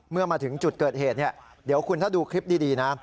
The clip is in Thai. เมื่อมาถึงจุดเกิดเหตุเดี๋ยวคุณถ้าดูคลิปดีนะ